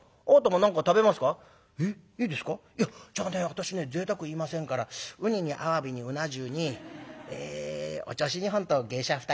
私ねぜいたく言いませんからウニにアワビにうな重にええおちょうし２本と芸者２人ぐらい」。